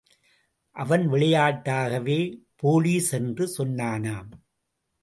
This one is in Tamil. அவன் விளையாட்டாகவே போலிஸ் என்று சொன்னானாம்!